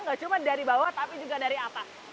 gak cuma dari bawah tapi juga dari atas